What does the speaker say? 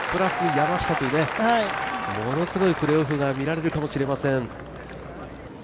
山下というものすごいプレーオフが見られるかもしれません。